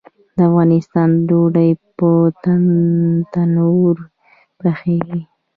د افغانستان ډوډۍ په تندور پخیږي